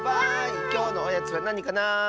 きょうのおやつはなにかな？